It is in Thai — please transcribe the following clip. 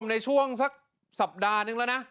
ในช่วงสักสัปดาห์นึงแล้วนะ